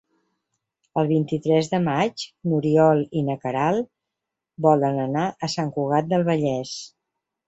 El vint-i-tres de maig n'Oriol i na Queralt volen anar a Sant Cugat del Vallès.